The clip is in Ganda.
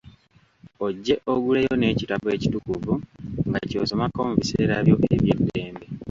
Ojje oguleyo n’ekitabo ekitukuvu nga ky’osomako mu biseera byo eby’eddembe.